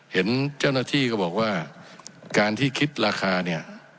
เห็นเจ้าหน้าที่ก็บอกว่าการที่คิดราคาเนี่ย